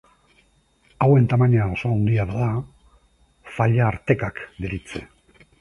Hauen tamaina oso handia bada faila-artekak deritze.